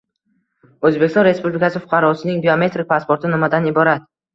O‘zbekiston Respublikasi fuqarosining biometrik pasporti nimadan iborat?